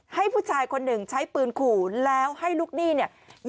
ให้ผู้ชายคนหนึ่งใช้ปืนขู่แล้วให้ลูกหนี้เนี่ย